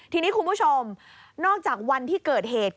ทีนี้คุณผู้ชมนอกจากวันที่เกิดเหตุ